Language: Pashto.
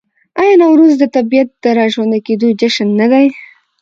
آیا نوروز د طبیعت د راژوندي کیدو جشن نه دی؟